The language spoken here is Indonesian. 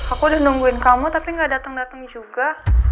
aku udah nungguin kamu tapi gak dateng dateng juga